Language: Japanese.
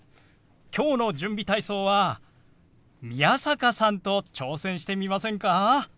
今日の準備体操は宮坂さんと挑戦してみませんか？